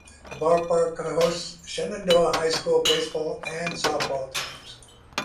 The ballpark hosts Shenandoah High School baseball and softball teams.